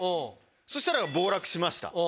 そしたら暴落しました。